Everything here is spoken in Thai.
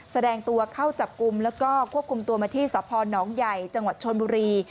แสดงตัวเข้าจับกลุ่มแล้วก็ควบคุมตัวมาที่สพนใหญ่จังหวัดชนบุรี